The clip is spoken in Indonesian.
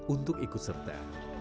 untuk ikut serta